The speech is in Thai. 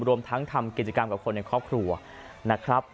รวมทั้งทำกิจกรรมกับคนในครอบครัวนะครับ